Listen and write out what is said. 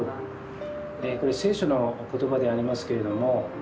これ聖書の言葉でありますけれども。